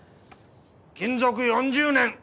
勤続４０年。